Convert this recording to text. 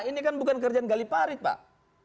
ini kan bukan kerjaan gali parit pak